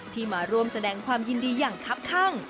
มาร่วมแสดงความยินดีอย่างคับข้าง